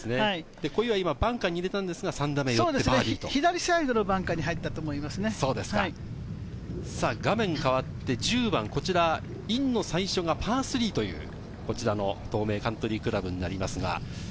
小祝はバンカーに入れたんですが、左サイドのバンカーに入画面変わって１０番、インの最初はパー３という東名カントリークラブになります。